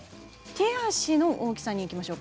手足の大きさにいきましょう。